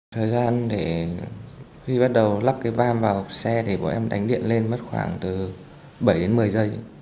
thời gian để khi bắt đầu lắp cái vam vào xe thì bọn em đánh điện lên mất khoảng từ bảy đến một mươi giây